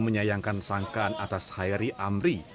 menyayangkan sangkaan atas hairi amri